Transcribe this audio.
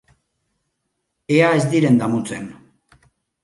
Ea ez diren damutzen.